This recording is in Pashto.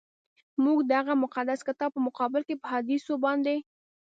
موږ د هغه مقدس کتاب په مقابل کي په احادیثو باندي.